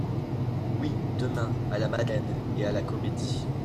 Oui, demain, à la Madeleine et à la Comédie.